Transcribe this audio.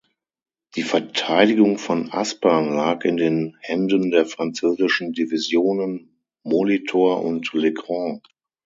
Die Verteidigung von Aspern lag in den Händen der französischen Divisionen Molitor und Legrand.